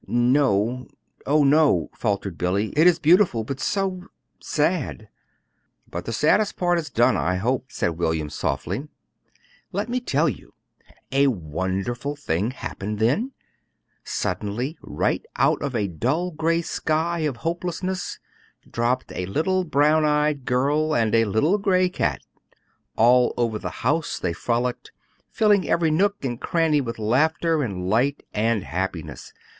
"No, oh, no," faltered Billy. "It is beautiful, but so sad!" "But the saddest part is done I hope," said William, softly. "Let me tell you. A wonderful thing happened then. Suddenly, right out of a dull gray sky of hopelessness, dropped a little brown eyed girl and a little gray cat. All over the house they frolicked, filling every nook and cranny with laughter and light and happiness.